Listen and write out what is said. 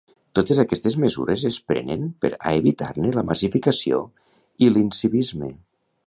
Totes aquestes mesures es prenen per a evitar-ne la massificació i l'incivisme.